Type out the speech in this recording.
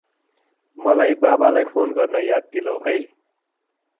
मलाई बाबालाई फोन गर्न याद दिलाउ है ।